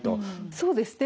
そうですね